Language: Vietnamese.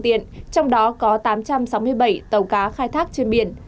tiện trong đó có tám trăm sáu mươi bảy tàu cá khai thác trên biển